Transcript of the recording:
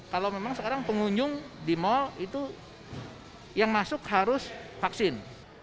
kalau memang sekarang pengunjung di mal itu yang masuk harus vaksin